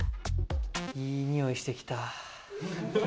いいにおいしてきた。